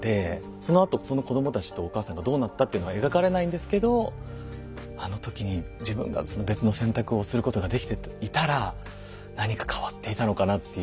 そのあとその子どもたちとお母さんがどうなったっていうのは描かれないんですけど「あの時に自分が別の選択をすることができていたら何か変わっていたのかな」っていう。